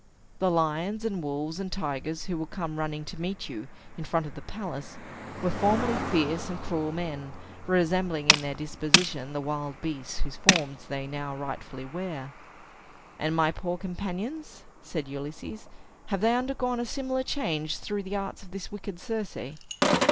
The lions, and wolves, and tigers, who will come running to meet you, in front of the palace, were formerly fierce and cruel men, resembling in their disposition the wild beasts whose forms they now rightfully wear." "And my poor companions," said Ulysses. "Have they undergone a similar change, through the arts of this wicked Circe?"